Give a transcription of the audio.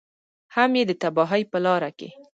هم یې د تباهۍ په لاره کې.